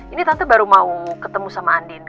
ini tante baru mau ketemu sama andin